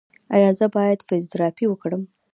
ایا زه باید فزیوتراپي وکړم؟